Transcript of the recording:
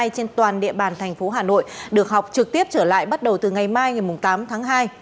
trên toàn địa bàn thành phố hà nội được học trực tiếp trở lại bắt đầu từ ngày mai ngày tám tháng hai